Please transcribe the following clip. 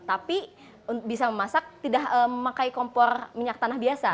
tapi bisa memasak tidak memakai kompor minyak tanah biasa